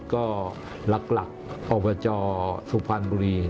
ก็หลักอบจสุพรรณบุรี